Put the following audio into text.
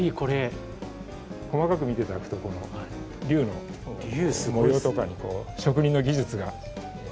細かく見て頂くとこの龍の模様とかに職人の技術が。